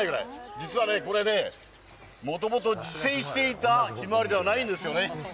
実はね、これね、もともと自生していたひまわりではないんですよね。